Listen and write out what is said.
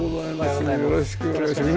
よろしくお願いします。